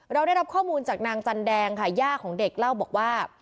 เราได้รับข้อมูลจากนางจันแดงค่ะย่าของเด็กเล่าบอกว่า